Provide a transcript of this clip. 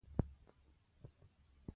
خپلواکۍ سره د ستونزو مقابله اسانه ده.